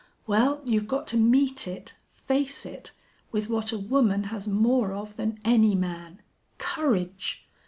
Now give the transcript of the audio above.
Well, you've got to meet it, face it, with what a woman has more of than any man. Courage!